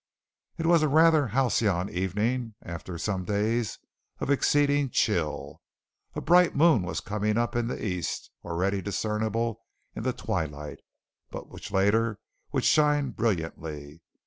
It was a rather halcyon evening after some days of exceeding chill. A bright moon was coming up in the east, already discernible in the twilight, but which later would shine brilliantly.